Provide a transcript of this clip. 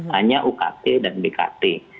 hanya ukt dan bkt